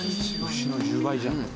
牛の１０倍じゃん。